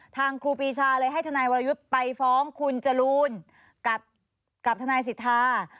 ครูปีชาเลยให้ทนายวรยุทธ์ไปฟ้องคุณจรูนกับทนายสิทธา